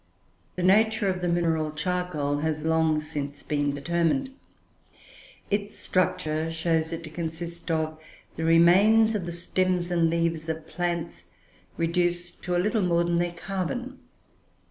The nature of the mineral charcoal has long since been determined. Its structure shows it to consist of the remains of the stems and leaves of plants, reduced a little more than their carbon.